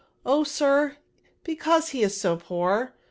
'' Oh, sir, because he is so poor.